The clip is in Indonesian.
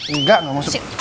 enggak gak masuk